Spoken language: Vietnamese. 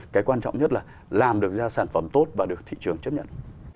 cái quan trọng nhất là làm được ra sản phẩm tốt và được thị trường chấp nhận